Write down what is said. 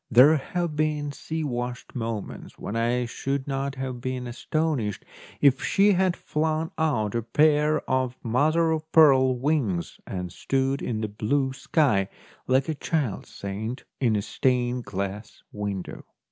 There have been sea washed moments when I should not have been astonished if she had flung out a pair of mother of pearl wings and stood in the blue sky, like a child saint in a stained glass window.